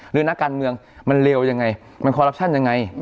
นักการเมืองมันเลวยังไงมันคอรัปชั่นยังไง